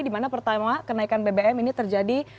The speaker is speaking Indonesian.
di mana pertama kenaikan bbm ini terjadi